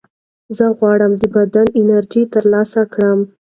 زه غواړم د بدن انرژي ترلاسه کړم.